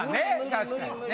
確かにね。